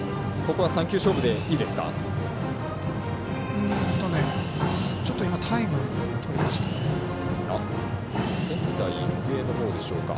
ここは３球勝負でいいですか？